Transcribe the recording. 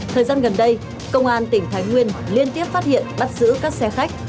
thời gian gần đây công an tỉnh thái nguyên liên tiếp phát hiện bắt giữ các xe khách